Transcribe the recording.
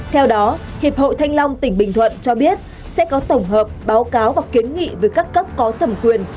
theo đó hiệp hội thanh long tỉnh bình thuận cho biết sẽ có tổng hợp báo cáo và kiến nghị với các cấp có thẩm quyền